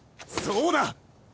そうだ！